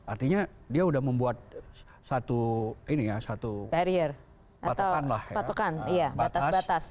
artinya dia sudah membuat satu barrier batas